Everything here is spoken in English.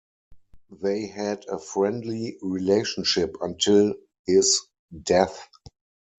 They had a friendly relationship until his death.